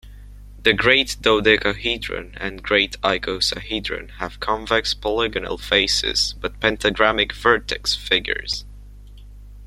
The great dodecahedron and great icosahedron have convex polygonal faces, but pentagrammic vertex figures.